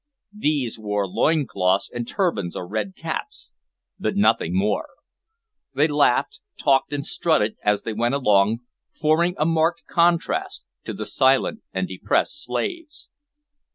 These wore loin cloths and turbans or red caps, but nothing more. They laughed, talked and strutted as they went along, forming a marked contrast to the silent and depressed slaves.